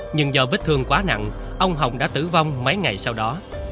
nhưng do vết thương quá nặng ông hồng đã tử vong mấy ngày sau đó